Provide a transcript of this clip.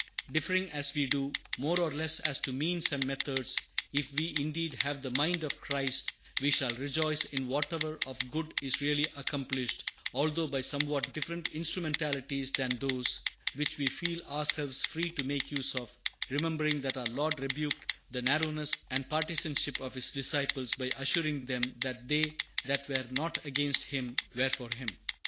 Differing, as we do, more or less as to means and methods, if we indeed have the "mind of Christ," we shall rejoice in whatever of good is really accomplished, although by somewhat different instrumentalities than those which we feel ourselves free to make use of, remembering that our Lord rebuked the narrowness and partisanship of His disciples by assuring them that they that were not against Him were for Him.